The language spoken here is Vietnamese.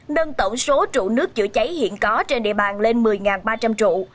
nâng tổng số trụ nước chữa cháy hiện có trên địa bàn lên một mươi ba trăm linh trụ